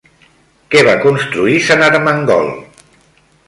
Què va construir Sant Ermengol?